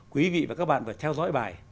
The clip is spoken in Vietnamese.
quý vị và các bạn vừa theo dõi bài